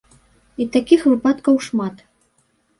І такіх выпадкаў шмат.